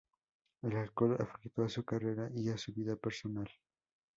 El alcohol afectó a su carrera y a su vida personal.